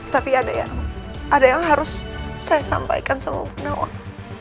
tapi ada yang harus saya sampaikan sama bu nawang